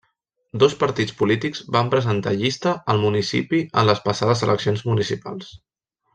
Dos partits polítics van presentar llista al municipi en les passades eleccions municipals.